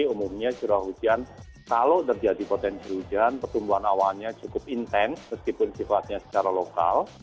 umumnya curah hujan kalau terjadi potensi hujan pertumbuhan awannya cukup intens meskipun sifatnya secara lokal